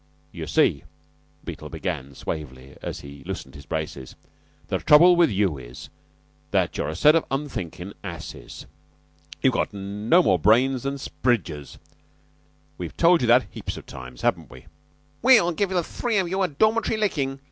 "You see," Beetle began suavely as he loosened his braces, "the trouble with you is that you're a set of unthinkin' asses. You've no more brains than spidgers. We've told you that heaps of times, haven't we?" "We'll give the three of you a dormitory lickin'.